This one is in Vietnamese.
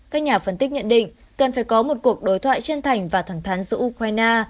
các nhà phân tích nhận định cần phải có một cuộc đối thoại chân thành và thẳng thắn giữa ukraine